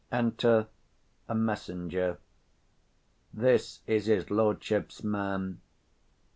Enter a MESSENGER. This is his lordship's man.